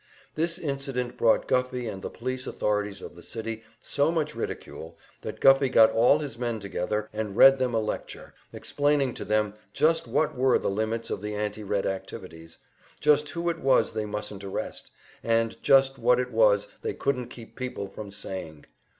This incident brought Guffey and the police authorities of the city so much ridicule that Guffey got all his men together and read them a lecture, explaining to them just what were the limits of the anti Red activities, just who it was they mustn't arrest, and just what it was they couldn't keep people from saying.